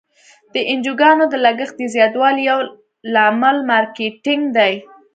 د انجوګانو د لګښت د زیاتوالي یو لامل مارکیټینګ دی.